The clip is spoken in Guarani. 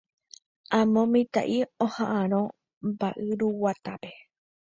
Amo mitã'i oha'ãrõ mba'yruguatápe.